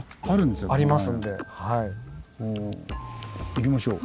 行きましょう。